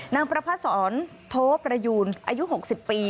นางประพะสอนโทประยูนอายุ๖๐ปี